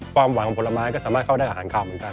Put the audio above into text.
ความหวังของผลไม้ก็สามารถเข้าได้อาหารคาวเหมือนกัน